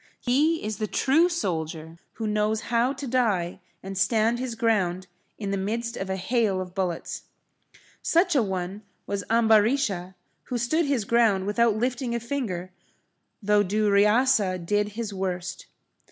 He is the true soldier who knows how to die and stand his ground in the midst of a hail of bullets. Such a one was Ambarisha, who stood his ground without lifting a finger though Duryasa did his worst.